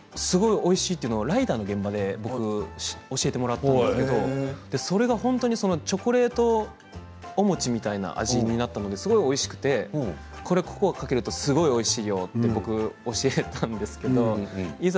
それをライダーの現場で教えてもらったんですけどチョコレートお餅みたいな味になったのですごくおいしくてココアかけるとすごくおいしいよって僕が教えたんですけどいざ